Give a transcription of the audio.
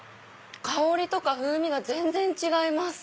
香りとか風味が全然違います。